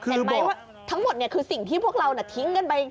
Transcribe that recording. ก็จะแบบประกิดว่าทั้งหมดเนี่ยคือสิ่งที่พวกเราน่ะทิ้งกันไป